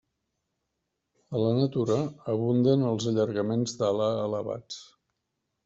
A la natura abunden els allargaments d'ala elevats.